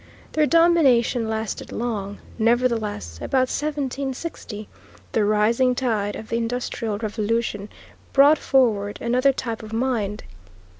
Their domination lasted long; nevertheless, about 1760, the rising tide of the Industrial Revolution brought forward another type of mind.